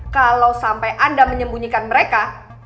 kalau sampai anda menyembunyikan mereka